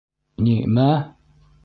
Ни-мә?